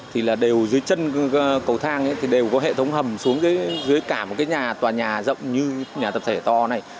thì là đều dưới chân cầu thang thì đều có hệ thống hầm xuống dưới cả một cái nhà tòa nhà rộng như nhà tập thể to này